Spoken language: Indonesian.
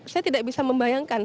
saya tidak bisa membayangkan